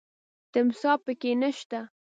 تمساح پکې نه شته .